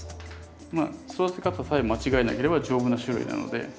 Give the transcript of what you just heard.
まあ育て方さえ間違えなければ丈夫な種類なので。